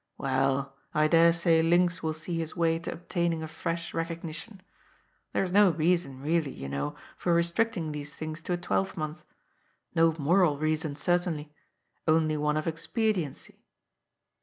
" Well, I dare say Linx will see his way to obtaining a fresh recognition. There is no reason, really, you know, for restricting these things to a twelvemonth. No moral reason, certainly. Only one of expediency.